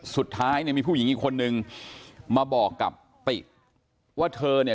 สุดท้ายเนี่ยมีผู้หญิงอีกคนนึงมาบอกกับติว่าเธอเนี่ย